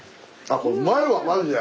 うまいわマジで。